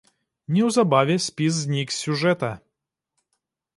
Неўзабаве спіс знік з сюжэта.